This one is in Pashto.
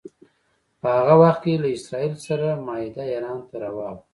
په هغه وخت کې له اسراییلو سره معاهده ایران ته روا وه.